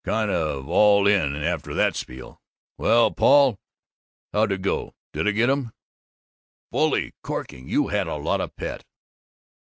"Kind of all in after that spiel. Well, Paul, how'd it go? Did I get 'em?" "Bully! Corking! You had a lot of pep."